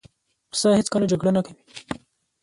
پسه هېڅکله جګړه نه کوي.